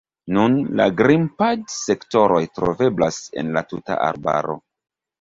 Nun, la grimpad-sektoroj troveblas en la tuta arbaro.